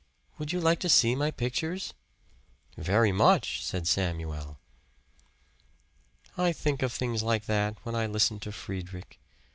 Would you like to see my pictures?" "Very much," said Samuel. "I think of things like that when I listen to Friedrich.